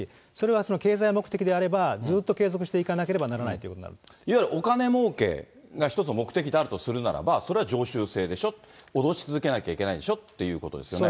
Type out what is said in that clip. それは経済目的であれば、ずっと継続していかなければならないといわゆるお金もうけが１つの目的であるとするならば、それは常習性でしょ、脅し続けなきゃいけないでしょうっていうことですね。